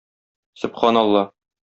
Сөбханалла!